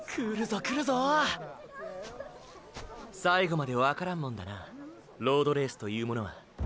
最後までわからんもんだなロードレースというものは。